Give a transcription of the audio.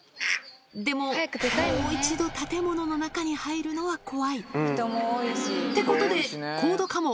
でも、もう一度建物の中に入るのは怖い。ってことで、コード・カモ。